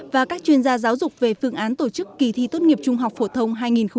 và các chuyên gia giáo dục về phương án tổ chức kỳ thi tốt nghiệp trung học phổ thông hai nghìn hai mươi